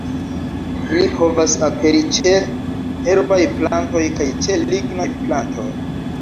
Ili povas aperi ĉe herbaj plantoj kaj ĉe lignaj plantoj.